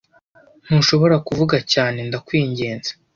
Ntushobora kuvuga cyane ndakwinginze?